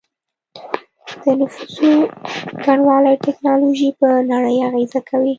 د نفوسو ګڼوالی او ټیکنالوژي په نړۍ اغیزه کوي